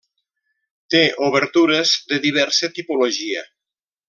Té obertures de diversa tipologia.